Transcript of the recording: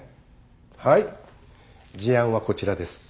はい事案はこちらです。